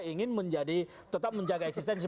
ingin tetap menjaga eksistensi